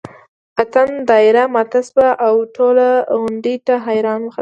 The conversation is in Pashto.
اتڼ دایره ماته شوه او ټولو غونډۍ ته حیران وکتل.